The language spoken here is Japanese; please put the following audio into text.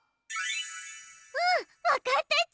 うんわかったち。